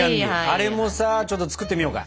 あれもさちょっと作ってみようか！